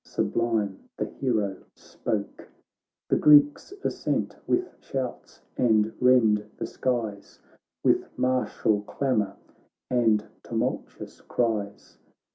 — Sublime the hero spoke ; The Greeks assent with shouts, and rend the skies With martial clamour and tumultuous cries.